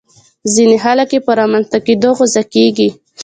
ځينې خلک يې په رامنځته کېدو غوسه کېږي.